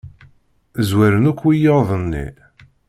Zwaren akk wiyaḍ-nni.